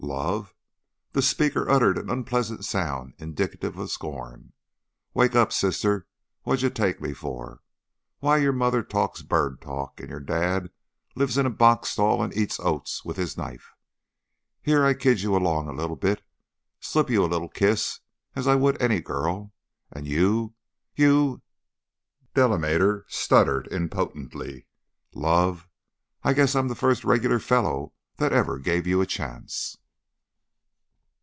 "Love?" The speaker uttered an unpleasant sound indicative of scorn. "Wake up, sister! What d'you take me for? Why, your mother talks bird talk, and your dad lives in a box stall and eats oats with his knife! Here I kid you along a little bit slip you a little kiss, as I would any girl, and you you " Delamater stuttered impotently. "Love? I guess I'm the first regular fellow that ever gave you a chance."